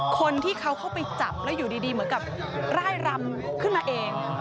คนที่เขาเข้าไปจับแล้วอยู่ดีเหมือนกับร่ายรำขึ้นมาเอง